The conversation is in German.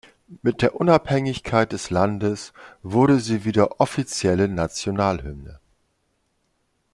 Mit der Unabhängigkeit des Landes wurde sie wieder offizielle Nationalhymne.